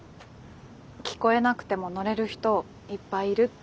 聞こえなくても乗れる人いっぱいいるって。